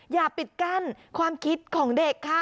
อย่าปิดกั้นความคิดของเด็กค่ะ